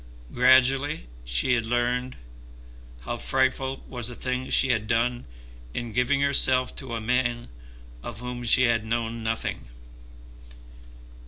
Gradually she had learned how frightful was the thing she had done in giving herself to a man of whom she had known nothing.